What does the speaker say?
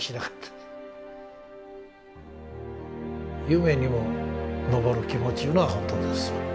夢にも昇る気持ちいうのは本当ですわ。